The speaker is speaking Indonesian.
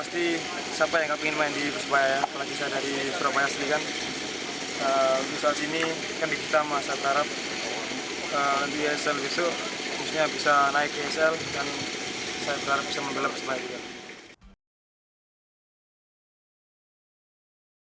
terusnya bisa naik esl dan saya berharap bisa membeli bersemaju